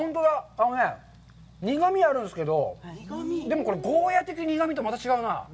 あのね、苦みあるんですけど、でも、これ、ゴーヤ的苦みとまた違うな。